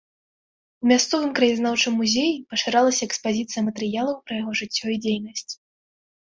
У мясцовым краязнаўчым музеі пашырылася экспазіцыя матэрыялаў пра яго жыццё і дзейнасць.